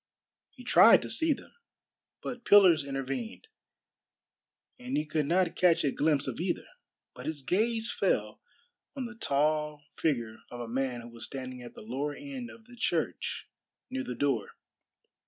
He tried to see them, but pillars intervened, and he could not catch a glimpse of either. But his gaze fell on the tall figure of a man who was standing at the lower end of the church near the door.